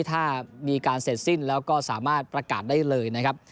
ถ้ามีการเสร็จสิ้นแล้วก็สามารถประกาศได้เลยนะครับ